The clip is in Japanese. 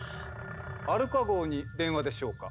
アルカ号に電話でしょうか？